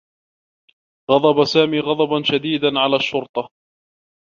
غضب سامي غضبا شديدا على الشّرطة.